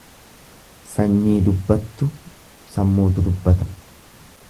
Sanyii dubbattu sammuutu dubbata.